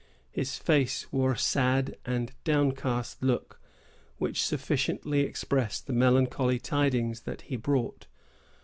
His face wore a sad and downcast look, which sufficiently expressed the melancholy tidings that he brought.